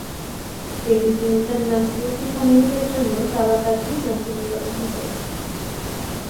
তিনি সুলতান নাসিরউদ্দিন মাহমুদের জন্য তাবাকাত-ই-নাসিরি রচনা করেছিলেন।